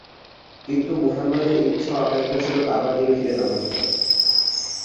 কিন্তু মুহাম্মাদের ইচ্ছা ও আকাঙ্ক্ষা ছিল কাবার দিকে ফিরে নামায পড়া।